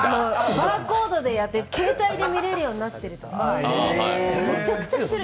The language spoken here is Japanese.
バーコードでやって携帯でやれるようになってるから。